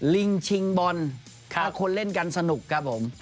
ลิงชิงบอลแล้วคนเล่นกันสนุกครับผม